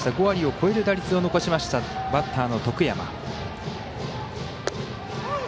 ５割を超える打率を残しましたバッターの得山。